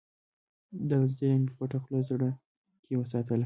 دا نظریه مې په پټه خوله زړه کې وساتله